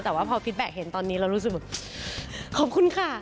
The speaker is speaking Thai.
แต่ว่าพอฟิตแบ็คเห็นตอนนี้เรารู้สึกแบบขอบคุณค่ะ